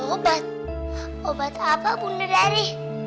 obat obat apa bunda dari